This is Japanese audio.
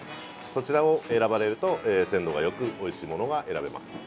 そちらを選ばれると鮮度がよくおいしいものが選べます。